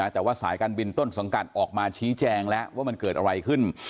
แต่ว่าสายการบินต้นสังกัดออกมาชี้แจงแล้วว่ามันเกิดอะไรขึ้น